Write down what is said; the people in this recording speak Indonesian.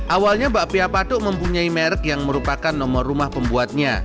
awalnya bakpia patuk mempunyai merek yang merupakan nomor rumah pembuatnya